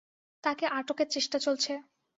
তাঁকে আটকের চেষ্টা চলছে।